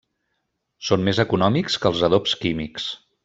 Són més econòmics que els adobs químics.